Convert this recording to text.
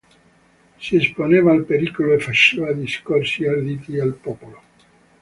Si esponeva al pericolo e faceva discorsi arditi al popolo.